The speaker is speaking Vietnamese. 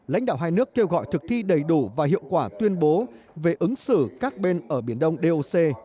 lãnh đạo hai nước kêu gọi thực thi đầy đủ và hiệu quả tuyên bố về ứng xử các bên ở biển đông doc